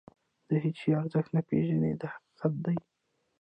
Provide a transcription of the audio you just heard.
د هېڅ شي ارزښت نه پېژني دا حقیقت دی.